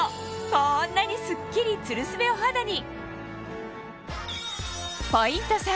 こんなにスッキリツルスベお肌に！